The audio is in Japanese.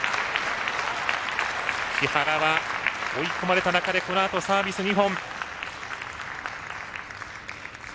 木原は追い込まれた中でこのあとサービス２本。